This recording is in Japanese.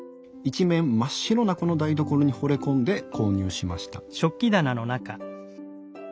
一面真っ白なこの台所にほれ込んで購入しました。